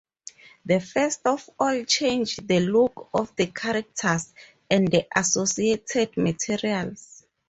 They first of all changed the look of the characters and the associated materials.